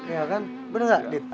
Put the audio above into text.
iya kan bener gak dit